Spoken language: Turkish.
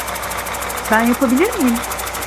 Ben yapabilir miyim?